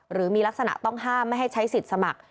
หรือมีลักษณะต้องห้ามไม่ให้ใช้สิทธิ์สมัคร